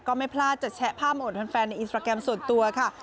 ก็ไม่พลาดจะแชะภาพโอดแฟนในอินสตราแกรมส่วนตัวค่ะ